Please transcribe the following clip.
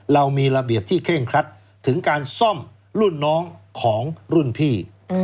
เรามีระเบียบที่เคร่งครัดถึงการซ่อมรุ่นน้องของรุ่นพี่